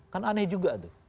kan aneh juga tuh